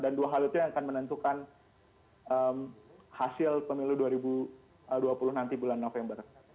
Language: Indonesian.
dan dua hal itu yang akan menentukan hasil pemilu dua ribu dua puluh nanti bulan november